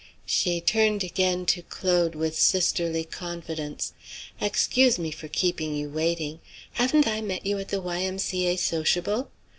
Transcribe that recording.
She turned again to Claude with sisterly confidence. "Excuse me for keeping you waiting; haven't I met you at the Y. M. C. A. sociable?